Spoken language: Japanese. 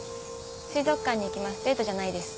水族館に行きますデートじゃないです。